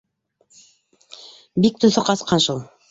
— Бик төҫө ҡасҡан шул